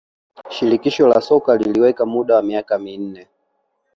shirikisho la soka liliweka muda wa miaka minne